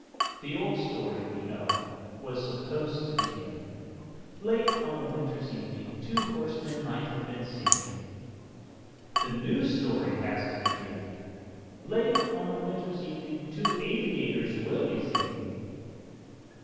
The old story, we know, was supposed to begin: "Late on a winter's evening two horsemen might have been seen ." The new story has to begin: "Late on a winter's evening two aviators will be seen